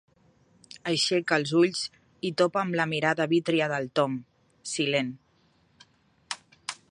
Aixeca els ulls i topa amb la mirada vítria del Tom, silent.